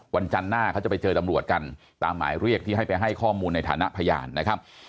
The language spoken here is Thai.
วันจันทร์หน้าเขาจะไปเจอตำรวจกันตามหมายเรียกที่ให้ไปให้ข้อมูลในฐานะพยานนะครับ